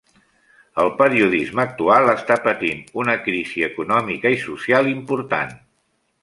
El periodisme actual està patint una crisi econòmica i social important.